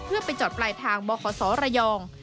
เพื่อไปจอดปลายทางบขศระยอง